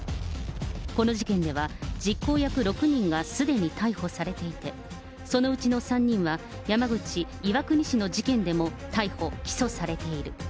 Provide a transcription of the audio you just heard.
この事件では、実行役６人がすでに逮捕されていて、そのうちの３人は、山口・岩国市の事件でも逮捕・起訴されている。